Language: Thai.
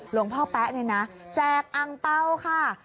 หลวงพ่อแป๊ะเนี่ยนะแจกอังเป้าค่ะ